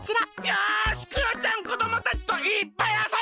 よしクヨちゃんこどもたちといっぱいあそんじゃうぞ！